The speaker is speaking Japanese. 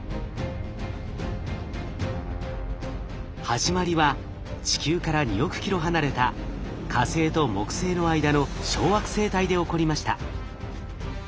始まりは地球から２億キロ離れた火星と木星の間の小惑星帯で起こりました。